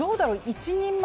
１人前？